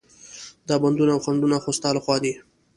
دا بندونه او خنډونه خو ستا له خوا دي.